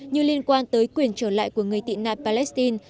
như liên quan tới quyền trở lại của người tị nạn palestine